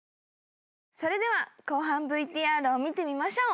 それでは後半ＶＴＲを見てみましょう。